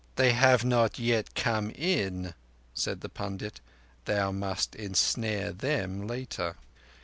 "They have not yet come in," said the pundit. "Thou must ensnare them later."